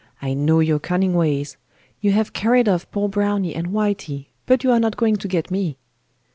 I know your cunning ways. You have carried off poor Browny and Whitey, but you are not going to get me.